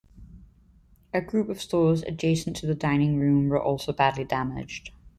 A group of stores adjacent to the dining room were also badly damaged.